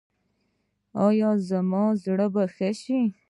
ایا زما زړه به ښه شي؟